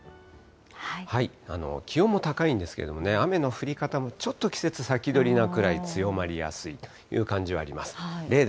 気温も高いんですけれどもね、雨の降り方もちょっと季節先取りなくらい、強まりやすいという感じはあります。